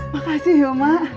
makasih yuk mak